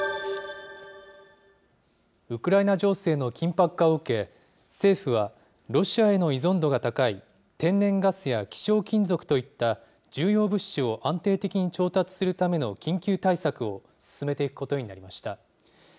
ウクライナ情勢の緊迫化を受け、政府は、ロシアへの依存度が高い天然ガスや希少金属といった、重要物資を安定的に調達するための緊急対策を進めていくことになりました。